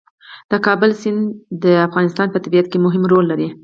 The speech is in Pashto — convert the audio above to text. د کابل سیند د افغانستان په طبیعت کې مهم رول لري.